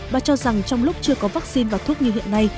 bà cho rằng trong lúc chưa có vaccine và thuốc như hiện nay